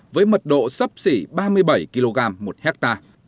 với mật độ sấp xỉ ba mươi bảy kg một hectare